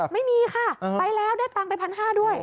ไม่มีค่ะไปแล้วได้ตังค์ไป๑๕๐๐ด้วย